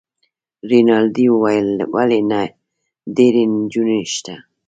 رینالډي وویل: ولي نه، ډیرې نجونې شته.